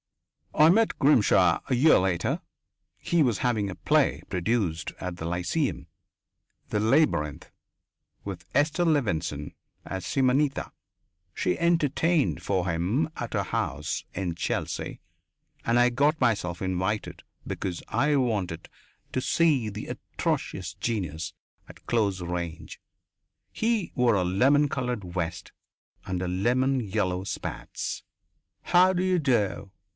I met Grimshaw a year later. He was having a play produced at the Lyceum "The Labyrinth" with Esther Levenson as Simonetta. She entertained for him at her house in Chelsea and I got myself invited because I wanted to see the atrocious genius at close range. He wore a lemon coloured vest and lemon yellow spats. "How d'you do?"